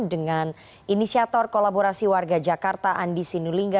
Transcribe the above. dengan inisiator kolaborasi warga jakarta andi sinulinga